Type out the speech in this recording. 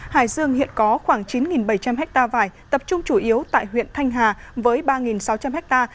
hải dương hiện có khoảng chín bảy trăm linh ha vải tập trung chủ yếu tại huyện thanh hà với ba sáu trăm linh ha